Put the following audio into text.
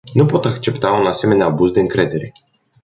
Nu pot accepta un asemenea abuz de încredere.